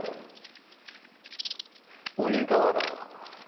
鬼瓦。